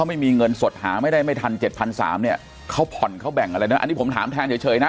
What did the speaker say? อันนี้ผมถามแทนเฉยนะ